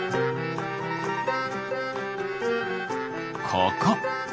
ここ。